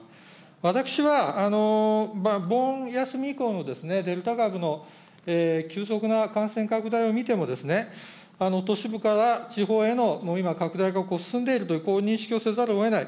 私は、お盆休み以降もデルタ株の急速な感染拡大を見ても、都市部から地方への、もう今拡大が進んでいるという認識をせざるをえない。